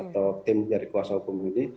atau tim dari kuasa hukum ini